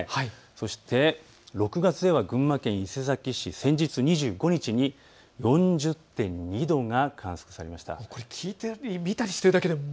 そして６月は群馬県伊勢崎市、先日２５日に４０．２度が観測されました。